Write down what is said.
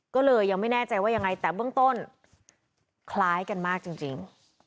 ก็เลยยังไม่แน่ใจว่ายังไงแต่เบื้องต้นคล้ายกันมากจริง